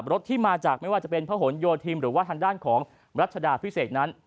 รถที่มาจากไม่ว่าจะเป็นพระหลโยธินหรือว่าทางด้านของรัชดาพิเศษนั้น